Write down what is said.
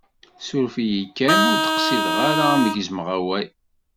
Suref-iyi kan, ur d-qsideɣ ara m-gezmeɣ awal.